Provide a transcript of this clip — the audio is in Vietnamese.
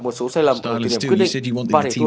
một số sai lầm trong kỷ niệm quyết định và để thua